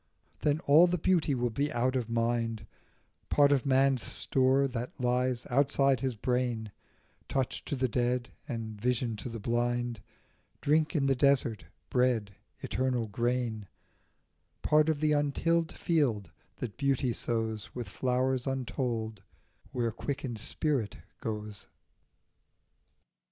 Then all the beauty will be out of mind, Part of man's store, that lies outside his brain, Touch to the dead and vision to the blind, Drink in the desert, bread, eternal grain, Part of the untilled field that beauty sows With flowers untold, where quickened spirit goes.